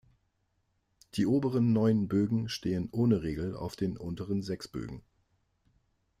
Die oberen neun Bögen stehen ohne Regel auf den unteren sechs Bögen.